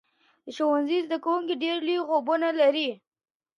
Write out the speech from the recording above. د ښوونځي زده کوونکي ډیر لوی خوبونه لري.